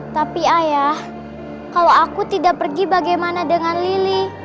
tapi ayah kalau aku tidak pergi bagaimana dengan lili